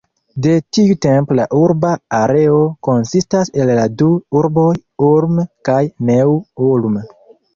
De tiu tempo la urba areo konsistas el la du urboj Ulm kaj Neu-Ulm.